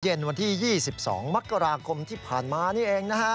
วันที่๒๒มกราคมที่ผ่านมานี่เองนะฮะ